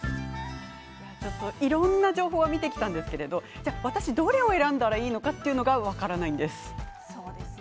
いろんな情報を見てきたんですけれど私はどれを選んだらいいのかというのが分からないんです。